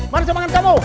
mari semangat kamu